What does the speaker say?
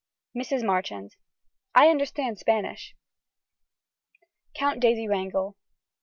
(Mrs. Marchand.) I understand Spanish. (Count Daisy Wrangel.)